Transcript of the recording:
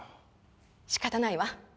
しかたないわ。